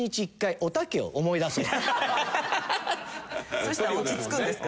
そしたら落ち着くんですか？